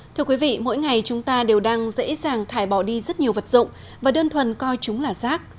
thưa quý vị mỗi ngày chúng ta đều đang dễ dàng thải bỏ đi rất nhiều vật dụng và đơn thuần coi chúng là rác